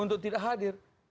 untuk tidak hadir